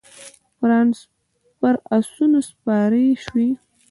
پر اسونو سپارې شوې.